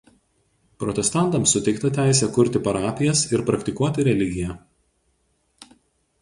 Protestantams suteikta teisė kurti parapijas ir praktikuoti religiją.